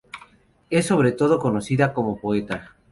Es sobre todo conocida como poeta.